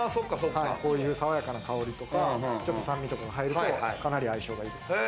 こういうさわやかな香りとか酸味とかが入るとかなり相性がいい。